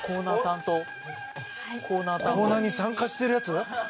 コーナーに参加してるやつ！